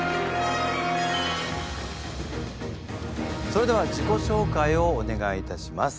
それでは自己紹介をお願いいたします。